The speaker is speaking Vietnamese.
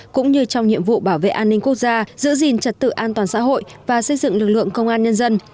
cũng như trong nhiệm vụ bảo vệ an ninh quốc gia giữ gìn trật tự an toàn xã hội và xây dựng lực lượng công an nhân dân